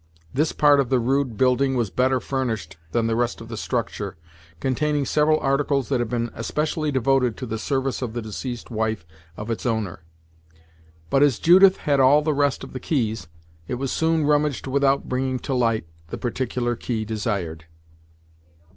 This part of the rude building was better furnished than the rest of the structure, containing several articles that had been especially devoted to the service of the deceased wife of its owner, but as Judith had all the rest of the keys, it was soon rummaged without bringing to light the particular key desired.